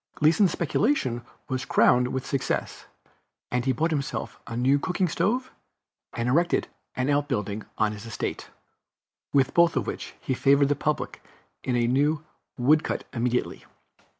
Gleason's speculation was crowned with success, and he bought himself a new cooking stove, and erected an outbuilding on his estate, with both of which he favored the public in a new wood cut immediately.